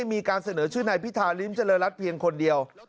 มีการเสนอชื่อนายพิธาริมเจริญรัฐเพียงคนเดียว